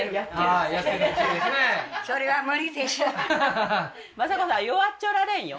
はっ正子さん弱っちょられんよ